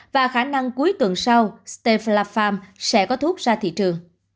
và khả năng cuối tuần sau stella pharm sẽ có thuốc ra thị trường